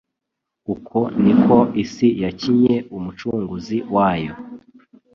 Uko ni ko isi yakinye Umucunguzi wayo.